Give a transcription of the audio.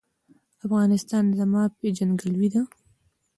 افغانستان زما پیژندګلوي ده